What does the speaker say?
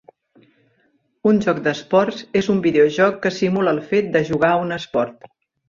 Un joc d'esports és un videojoc que simula el fet de jugar a un esport.